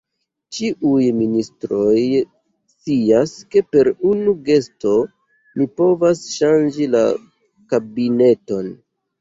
Ĉiuj ministroj scias, ke per unu gesto mi povas ŝanĝi la kabineton.